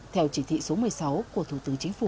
theo chỉ thị số một mươi sáu của thủ tướng chính phủ